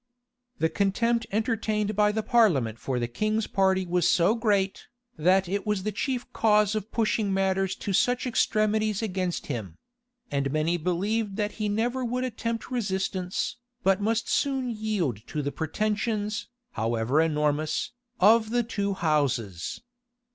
The contempt entertained by the parliament for the king's party was so great, that it was the chief cause of pushing matters to such extremities against him; and many believed that he never would attempt resistance, but must soon yield to the pretensions, however enormous, of the two houses.